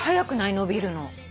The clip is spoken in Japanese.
伸びるの。